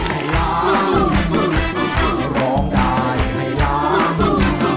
เพลงที่๒นะครับมูลค่า๒๐๐๐๐บาท